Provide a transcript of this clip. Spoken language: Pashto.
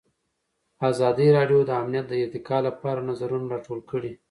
ازادي راډیو د امنیت د ارتقا لپاره نظرونه راټول کړي.